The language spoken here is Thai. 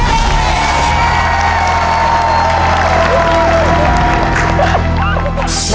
ถูกครับ